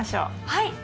はい。